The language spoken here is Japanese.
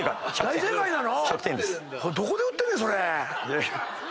大正解なの？